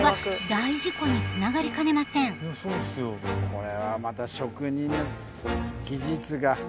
これはまた職人の技術が。